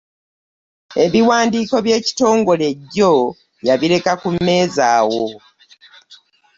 Ebiwandiiko by'ekitongole jjo yabireka ku mmeeza awo.